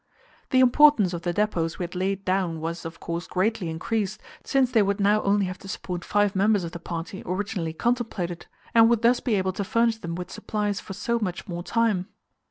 The importance of the depots we had laid down was, of course, greatly increased, since they would now only have to support five members of the party originally contemplated, and would thus be able to furnish them with supplies for so much more time.